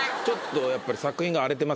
ちょっとやっぱり。